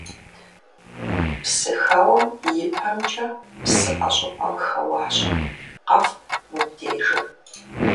Псыхэуэм и пэмкӀэ псыӀэ щӀыпӀэм хэуащ: «КъэфтӀ мыбдежыр.».